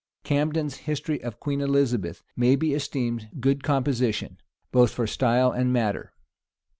Camden's history of Queen Elizabeth may be esteemed good composition, both for style and matter.